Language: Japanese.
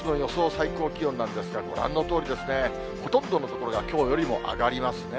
最高気温なんですが、ご覧のとおりですね、ほとんどの所がきょうよりも上がりますね。